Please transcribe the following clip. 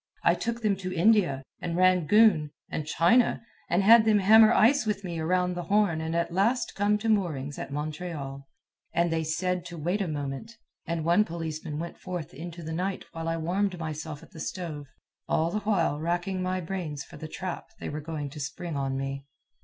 I took them to India, and Rangoon, and China, and had them hammer ice with me around the Horn and at last come to moorings at Montreal. And then they said to wait a moment, and one policeman went forth into the night while I warmed myself at the stove, all the while racking my brains for the trap they were going to spring on me.